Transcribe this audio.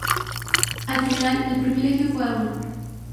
Al final, el privilegio fue a Bonn.